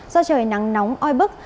do trời nắng nóng oi bức